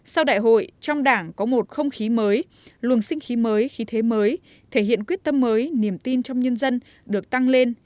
sau đại hội trong đảng có một không khí mới luồng sinh khí mới khí thế mới thể hiện quyết tâm mới niềm tin trong nhân dân được tăng lên